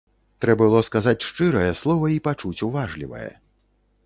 Трэ было сказаць шчырае слова й пачуць уважлівае.